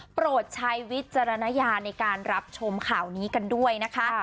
โปรดใช้วิจารณญาในการรับชมข่าวนี้กันด้วยนะคะ